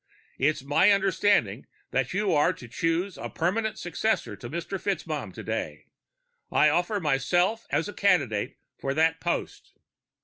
It's my understanding that you are to choose a permanent successor to Mr. FitzMaugham today. I offer myself as a candidate for that post."